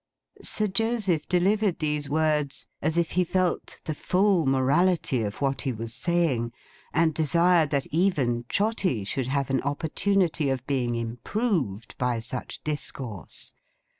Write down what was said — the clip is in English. Sir Joseph delivered these words as if he felt the full morality of what he was saying; and desired that even Trotty should have an opportunity of being improved by such discourse.